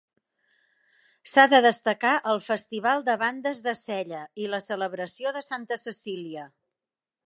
S'ha de destacar el Festival de Bandes de Sella i la celebració de Santa Cecília.